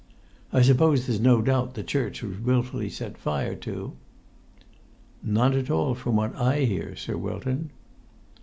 I suppose there's no doubt the church was wilfully set fire to?" "None at all from what I hear, Sir Wilton."